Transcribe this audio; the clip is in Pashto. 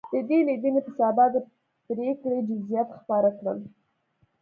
د دې لیدنې په سبا د پرېکړې جزییات خپاره کړل.